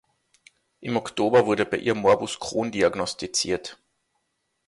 Im Oktober wurde bei ihr Morbus Crohn diagnostiziert.